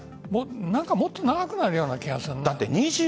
もっと長くなるような気がする。